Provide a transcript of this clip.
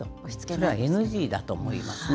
それはＮＧだと思いますね。